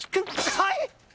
はい！